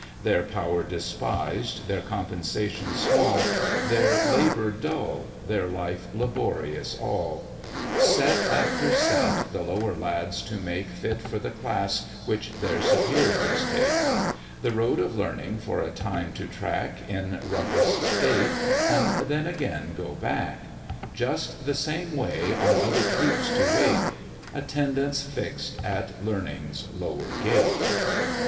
Their power despised, their compensation small, Their labour dull, their life laborious all; Set after set the lower lads to make Fit for the class which their superiors take; The road of learning for a time to track In roughest state, and then again go back: Just the same way, on other troops to wait, Attendants fix'd at learning's lower gate.